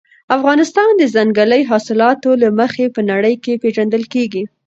افغانستان د ځنګلي حاصلاتو له مخې په نړۍ کې پېژندل کېږي.